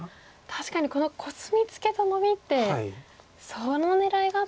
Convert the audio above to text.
確かにこのコスミツケとノビってその狙いがあったんですか。